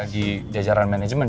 di jajaran manajemen